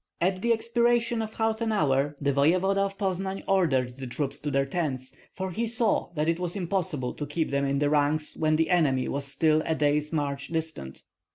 At the expiration of half an hour the voevoda of Poznan ordered the troops to their tents, for he saw that it was impossible to keep them in the ranks when the enemy were still a day's march distant.